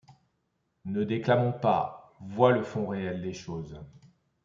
Ne déclamons pas. Vois le fond réel des choses.